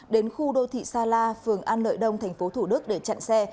đến khu đô thị sa la phường an lợi đông tp thủ đức để chặn xe